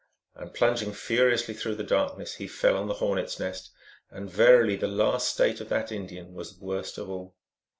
And plunging furiously through the darkness, he fell on the hornet s nest ; and verily the last state of that Indian was worst of all.